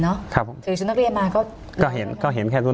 เนอะครับถือสุดนักเรียนมาก็ก็เห็นก็เห็นแค่สุด